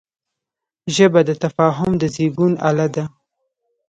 ژبه د تفاهم د زېږون اله ده